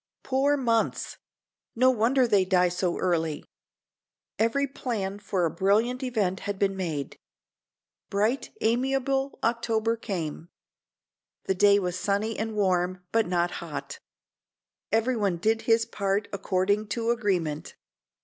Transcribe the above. Poor Months! No wonder they die so early! Every plan for a brilliant event had been made. Bright, amiable October came. The day was sunny and warm, but not hot. Everyone did his part according to agreement.